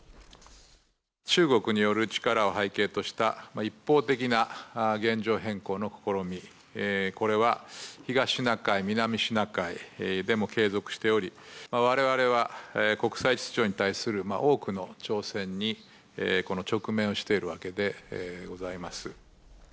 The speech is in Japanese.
中国による力を背景とした一方的な現状変更の試み、これは東シナ海、南シナ海でも継続しており、われわれは国際秩序に対する多くの挑戦に直面をしているわけでございます。